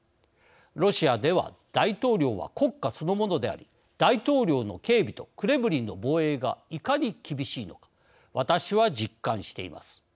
ロシアでは大統領は国家そのものであり大統領の警備とクレムリンの防衛がいかに厳しいのか私は実感しています。